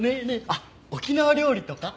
あっ沖縄料理とか？